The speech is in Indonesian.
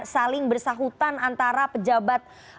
saling bersahutan antara pejabat